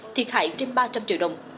thì khải trên ba trăm linh triệu đồng